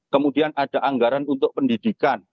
kemudian ada anggaran untuk pendidikan